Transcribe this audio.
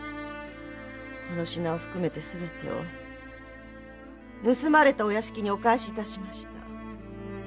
この品を含めてすべてを盗まれたお屋敷にお返し致しました。